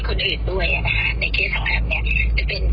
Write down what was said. ก็ต้องรับเป็นทั้งหมดนะคะส่วนตอนแรกที่ที่คุณพัฒน์ทำกับท่านธรรมค์คนอื่นด้วยอ่ะนะคะ